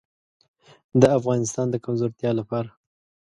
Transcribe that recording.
د افغانستان د کمزورتیا لپاره.